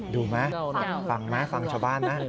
ดูไหมฟังชาวบ้านหน้า